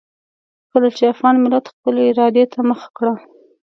کله چې افغان ملت خپلې ارادې ته مخه کړه.